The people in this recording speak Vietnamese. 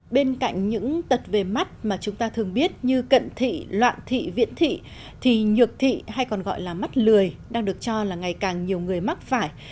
bên cạnh những tật về mắt mà chúng ta thường biết như cận thị loạn thị viễn thị thì nhược thị hay còn gọi là mắt lười đang được cho là ngày càng nhiều người mắc phải